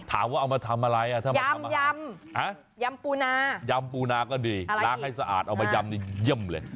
ถามว่าเอามาทำอะไรยำปูนาก็ดีล้างให้สะอาดเอาไปยำดีเยี่ยมเลย